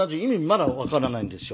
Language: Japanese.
まだわからないんですよ。